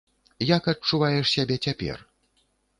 Як адчуваеш сябе цяпер?